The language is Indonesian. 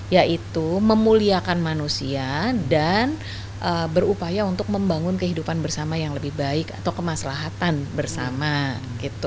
yaitu memuliakan manusia dan berupaya untuk membangun kehidupan bersama yang lebih baik atau kemaslahatan bersama gitu